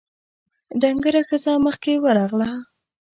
ډنګره ښځه مخکې ورغله: